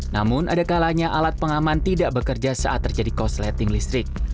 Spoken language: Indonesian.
namun ada kalanya alat pengaman tidak bekerja saat terjadi kosleting listrik